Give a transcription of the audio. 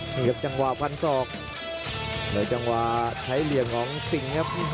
นี่ครับจังหวะฟันศอกในจังหวะใช้เหลี่ยมของสิงครับ